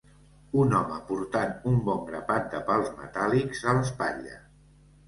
Un home portant un bon grapat de pals metàl·lics a l'espatlla.